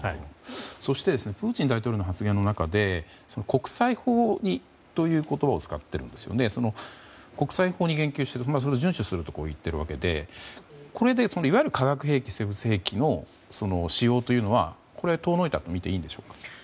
そしてプーチン大統領の発言の中で国際法という言葉を使っているんですがそれを順守すると言っているんですがこれで、いわゆる化学兵器生物兵器の使用はこれ、遠のいたとみていいのでしょうか。